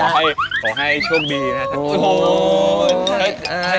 ขอให้ช่วงดีนะ